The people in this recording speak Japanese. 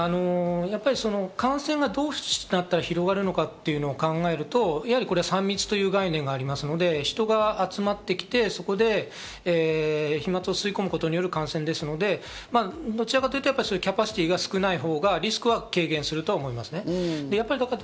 感染がどうなったら広がるかというのを考えると３密という概念がありますので、人が集まってきて、そこで飛沫を吸い込むことによる感染ですので、どちらかというとキャパシティーが少ない方がリスクは軽減すると思います。